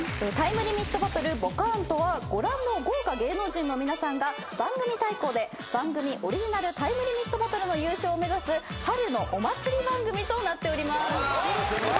『タイムリミットバトルボカーン！』とはご覧の豪華芸能人の皆さんが番組対抗で番組オリジナルタイムリミットバトルの優勝を目指す春のお祭り番組となっております。